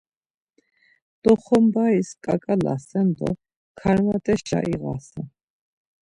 Doxombayis ǩaǩalasen do karmat̆eşa iğasen.